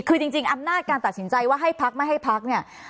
คือจริงอำนาจการตัดสินใจว่าให้พักไม่ให้พักเนี่ย